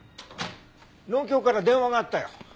農協から電話があったよ。